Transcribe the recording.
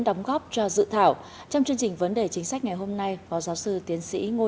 đóng góp cho dự thảo trong chương trình vấn đề chính sách ngày hôm nay phó giáo sư tiến sĩ ngô